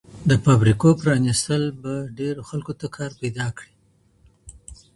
د فابریکو پرانیستل به ډېرو خلکو ته کار پیدا کړي.